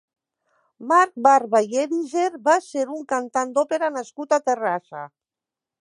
Marc Barba i Hédiger va ser un cantant d'òpera nascut a Terrassa.